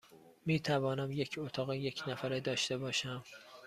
می توانم یک اتاق یک نفره داشته باشم؟